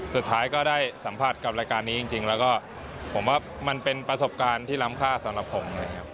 สุดท้ายก็ได้สัมผัสกับรายการนี้จริงแล้วก็ผมว่ามันเป็นประสบการณ์ที่ล้ำค่าสำหรับผมนะครับ